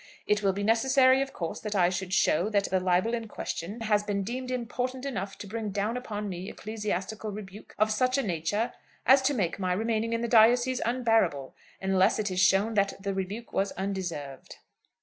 It will be necessary, of course, that I should show that the libel in question has been deemed important enough to bring down upon me ecclesiastical rebuke of such a nature as to make my remaining in the diocese unbearable, unless it is shown that that rebuke was undeserved."